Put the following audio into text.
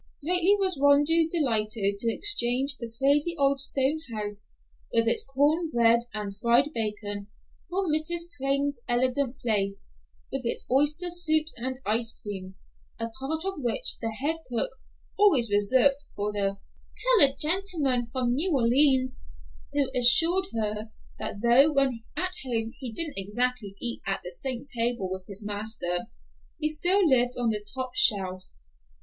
Greatly was Rondeau delighted to exchange the crazy old stone house, with its corn bread and fried bacon, for Mrs. Crane's elegant place, with its oyster soups and ice creams, a part of which the head cook always reserved for the "colored gentleman from New Orleans," who assured her, that though when at home he didn't exactly eat at the same table with his master, he still lived on the top shelf!